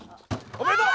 おめでとう！